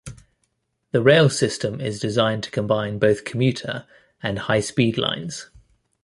The rail system is designed to combine both commuter and high-speed lines.